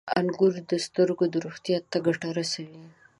• انګور د سترګو روغتیا ته ګټه رسوي.